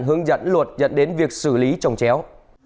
hướng dẫn luật dẫn đến việc xử lý trồng chéo